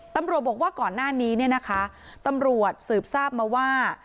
ตำรวจบอกว่าก่อนหน้านี้เนี่ยนะคะตำรวจสืบทราบมาว่า